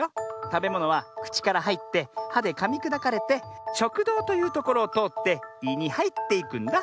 たべものはくちからはいって「は」でかみくだかれて「しょくどう」というところをとおって「い」にはいっていくんだ。